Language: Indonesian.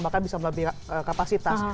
bahkan bisa lebih kapasitas